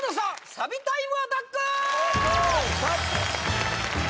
サビタイムアタックー！